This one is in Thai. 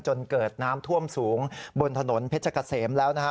จนเกิดน้ำท่วมสูงบนถนนเพชรกะเสมแล้วนะฮะ